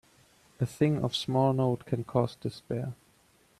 A thing of small note can cause despair.